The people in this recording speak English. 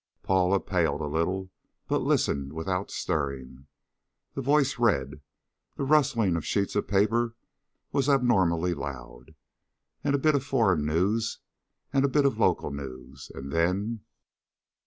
Paula paled a little, but listened without stirring. The voice read the rustling of sheets of paper was abnormally loud a bit of foreign news, and a bit of local news, and then....